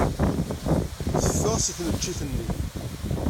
Teffeɣ seg tneččit-nni.